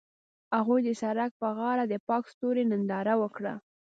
هغوی د سړک پر غاړه د پاک ستوري ننداره وکړه.